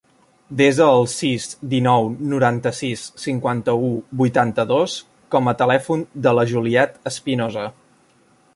Desa el sis, dinou, noranta-sis, cinquanta-u, vuitanta-dos com a telèfon de la Juliette Espinosa.